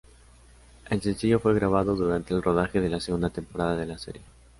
El sencillo fue grabado durante el rodaje de la segunda temporada de la serie.